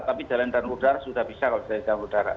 tapi jalan udara sudah bisa kalau dari jalan udara